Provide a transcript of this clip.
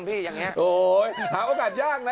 หาโอกาสยากนะ